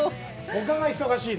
ほかが忙しい。